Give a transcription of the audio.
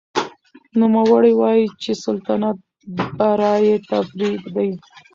نوموړي وايي چې سلطنت به رایې ته پرېږدي.